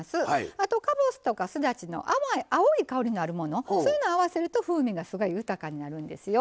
あと、かぼすとか、すだちの淡い青い香りのあるものを合わせると風味がすごい豊かになるんですよ。